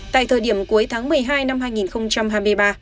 tại thời điểm cuối tháng một mươi hai năm hai nghìn hai mươi ba